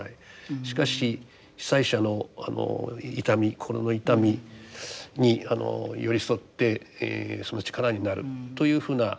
しかし被災者の痛み心の痛みに寄り添ってその力になるというふうな形。